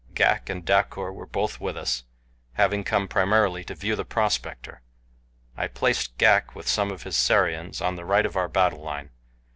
Ghak and Dacor were both with us, having come primarily to view the prospector. I placed Ghak with some of his Sarians on the right of our battle line.